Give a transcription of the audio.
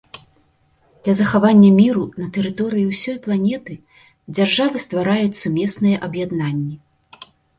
Для захавання міру на тэрыторыі ўсёй планеты дзяржавы ствараюць сумесныя аб'яднанні.